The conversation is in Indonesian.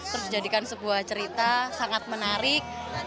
terus dijadikan sebuah cerita sangat menarik